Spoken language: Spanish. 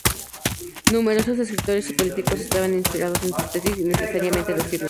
Numerosos escritores y políticos estaban inspirados en sus tesis, sin necesariamente decirlo.